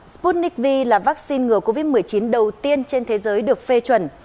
sputnik v là vaccine ngừa covid một mươi chín đầu tiên trên thế giới được phê chuẩn